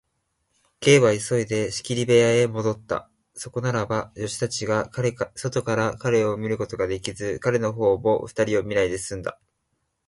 Ｋ は急いで仕切り部屋へもどった。そこならば、助手たちが外から彼を見ることができず、彼のほうも二人を見ないですんだ。